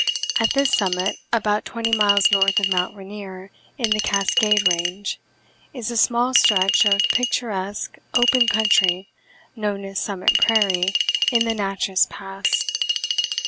At this summit, about twenty miles north of Mt. Rainier in the Cascade range, is a small stretch of picturesque open country known as Summit Prairie, in the Natchess Pass.